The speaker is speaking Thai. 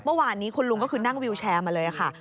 เมื่อวานนี้คุณลุงก็คือนั่งวิวแชร์มาเลยค่ะ